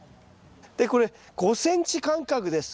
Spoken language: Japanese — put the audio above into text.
でこれ５ｃｍ間隔です。